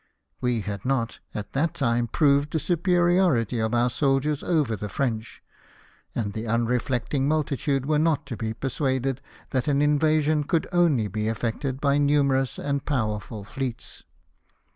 We had not, at that time, proved the superiority of our soldiers over the French ; and the unreflecting multitude were not to be persuaded that an invasion could only be effected by numerous and powerful fleets.